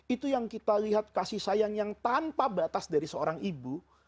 itu yang kita lihat kasih sayang yang tanpa batas dari seorang ibu